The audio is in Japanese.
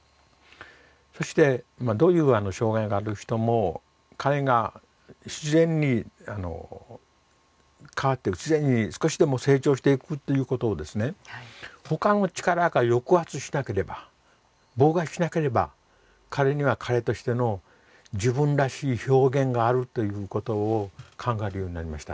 そしてどういう障害がある人も彼が自然に変わっていく自然に少しでも成長していくっていうことをですねほかの力が抑圧しなければ妨害しなければ彼には彼としての自分らしい表現があるということを考えるようになりました。